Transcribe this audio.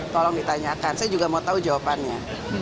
tolong ditanyakan saya juga mau tahu jawabannya